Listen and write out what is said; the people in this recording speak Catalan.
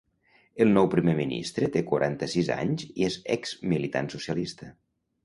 El nou primer ministre té quaranta-sis anys és ex-militant socialista.